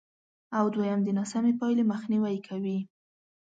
او دوېم د ناسمې پایلې مخنیوی کوي،